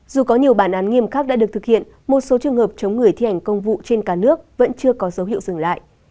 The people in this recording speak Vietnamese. dù có nhiều bản án nghiêm khắc đã được thực hiện một số trường hợp chống người thi hành công vụ trên cả nước vẫn chưa có dấu hiệu dừng lại